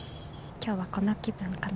今日はこの気分かな。